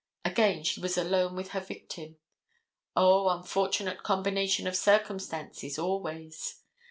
Again she was alone with her victim. O, unfortunate combination of circumstances, always.